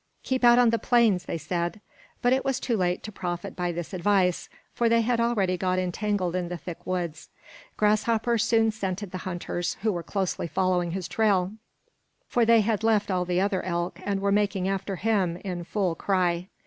"Keep out on the plains," they said. But it was too late to profit by this advice, for they had already got entangled in the thick woods. Grasshopper soon scented the hunters, who were closely following his trail, for they had left all the other elk and were making after him in full cry.